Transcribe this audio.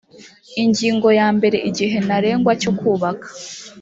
ingingo ya mbere igihe ntarengwa cyo kubaka